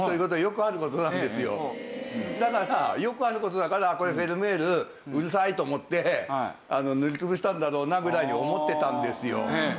だからよくある事だからこれフェルメールうるさいと思って塗りつぶしたんだろうなぐらいに思ってたんですよ。